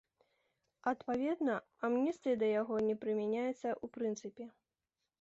Адпаведна, амністыя да яго не прымяняецца ў прынцыпе.